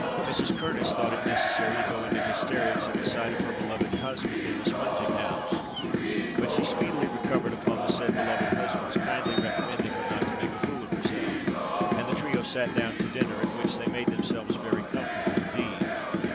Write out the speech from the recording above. Mrs. Curtis thought it necessary to go into hysterics at the sight of her beloved husband in a spunging house; but she speedily recovered upon the said beloved husband's kindly recommending her not to make a fool of herself;—and the trio sate down to dinner, at which they made themselves very comfortable indeed.